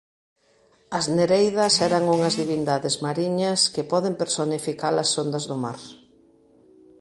As Nereidas eran unhas divindades mariñas que poden personificar as ondas do mar.